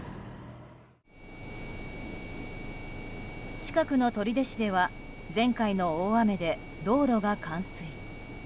近くの取手市では前回の大雨で道路が冠水。